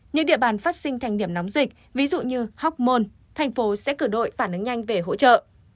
những địa bàn phát sinh thành điểm nóng dịch ví dụ như hoc mon thành phố sẽ cử đội phản ứng nhanh về hỗ trợ